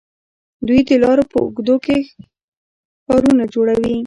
دوی د لارو په اوږدو کې ښارونه جوړوي.